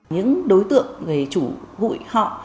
những đối tượng người chủ hủy họ